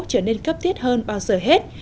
trở nên cấp thiết hơn bao giờ hết